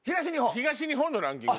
東日本のランキング？